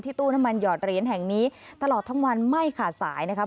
ตู้น้ำมันหอดเหรียญแห่งนี้ตลอดทั้งวันไม่ขาดสายนะครับ